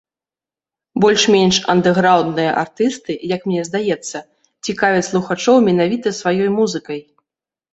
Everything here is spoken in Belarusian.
Больш-менш андэграўндныя артысты, як мне здаецца, цікавяць слухачоў менавіта сваёй музыкай.